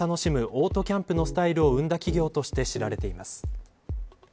オートキャンプのスタイルを生んだ企業として知られています。